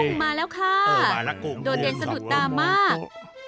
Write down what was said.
มาแล้วค่ะโดดเด่นสะดุดตามาก